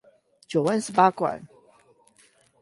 九彎十八拐